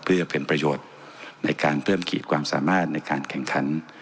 เพื่อเป็นประโยชน์ในการเพิ่มขีดความสามารถในการแข่งขัน